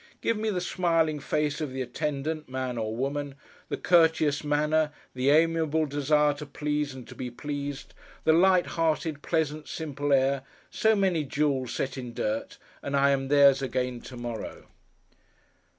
Give me the smiling face of the attendant, man or woman; the courteous manner; the amiable desire to please and to be pleased; the light hearted, pleasant, simple air—so many jewels set in dirt—and I am theirs again to morrow!